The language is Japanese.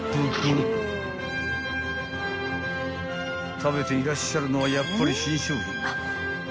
［食べていらっしゃるのはやっぱり］